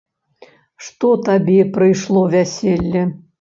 Што табе прыйшло вяселле?